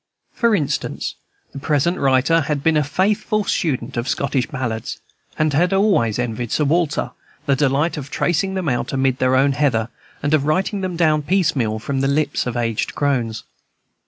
For instance, the present writer had been a faithful student of the Scottish ballads, and had always envied Sir Walter the delight of tracing them out amid their own heather, and of writing them down piecemeal from the lips of aged crones.